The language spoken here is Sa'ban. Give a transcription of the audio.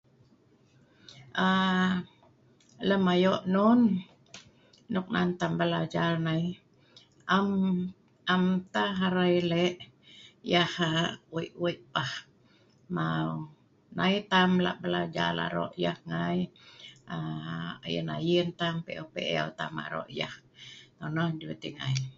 aa lem ayok non nok on tam belajar nai am am tah arai lek yah aa weik weik pah mau nai tam lak belajar arok yeh ngai aa ayin ayin tam pe'eu pe'eu tam arok yeh nonoh dut yeh ngai